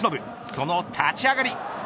その立ち上がり。